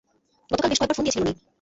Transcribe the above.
গতকাল বেশ কয়েকবার ফোন দিয়েছিলেন উনি।